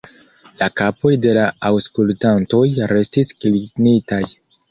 La kapoj de la aŭskultantoj restis klinitaj.